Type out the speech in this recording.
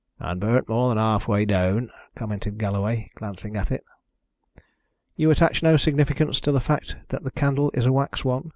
"And burnt more than half way down," commented Galloway, glancing at it. "You attach no significance to the fact that the candle is a wax one?"